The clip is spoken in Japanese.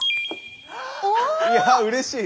いやうれしい！